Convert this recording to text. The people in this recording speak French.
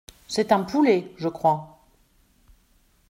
C’est un poulet, je crois.